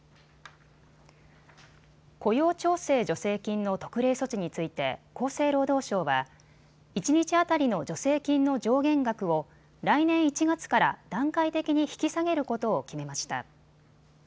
雇用調整助成金の特例措置について厚生労働省は一日当たりの助成金の上限額を来年１月から段階的に引き下げることを決めました。